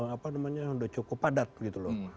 apa namanya sudah cukup padat gitu loh